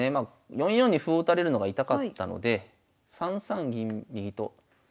４四に歩を打たれるのが痛かったので３三銀右とかわします。